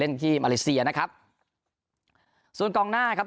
ที่มาเลเซียนะครับส่วนกองหน้าครับ